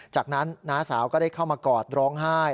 จากนั้นน้าสาวก็ได้เข้ามากอดร้องไห้